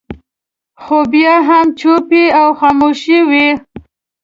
خو بیا هم چوپې او خاموشه وي.